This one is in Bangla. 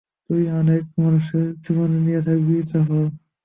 তুই অনেক মানুষের জীবন নিয়ে থাকবি, জাফর।